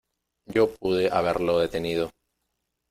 Yo pude haberlo detenido.